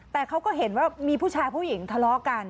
แต่เขาก็เห็นว่ามีผู้ชายผู้หญิงทะเลาะกัน